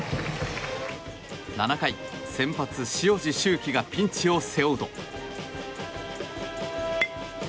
７回、先発、塩路柊季がピンチを背負うと。